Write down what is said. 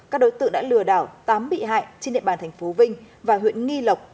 các đối tượng đã lừa đảo tám bị hại trên địa bàn thành phố vinh và huyện nghi lộc